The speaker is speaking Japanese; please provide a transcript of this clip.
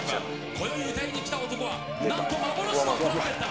こよい歌いにきた男はなんと幻のトランペッター！